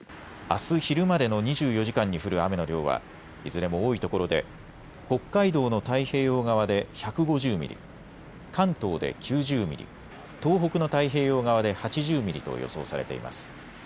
あす昼までの２４時間に降る雨の量はいずれも多いところで北海道の太平洋側で１５０ミリ、関東で９０ミリ、東北の太平洋側で８０ミリと予想されています。